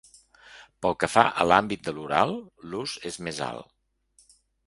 Pel que fa a l’àmbit de l’oral, l’ús és més alt.